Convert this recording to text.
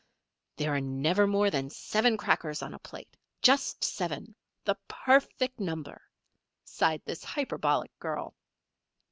"There are never more than seven crackers on a plate just seven, the perfect number," sighed this hyperbolical girl.